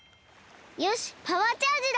よしパワーチャージだ！